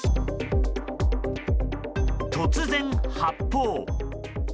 突然、発砲。